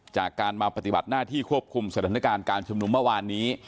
จากการมาปฏิบัติหน้าที่ควบคุมสถานการณ์การชุมนุมเมื่อวานนี้